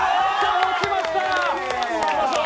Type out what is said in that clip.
保ちました。